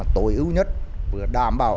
tối ưu nhất vừa đảm bảo